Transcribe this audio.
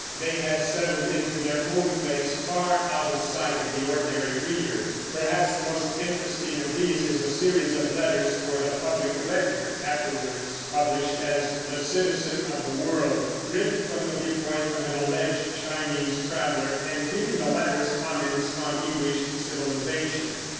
They have settled into their own place, far out of sight of the ordinary reader. Perhaps the most interesting of these is a series of letters for the Public Ledger (afterwards published as The Citizen of the World), written from the view point of an alleged Chinese traveler, and giving the latter's comments on English civilization.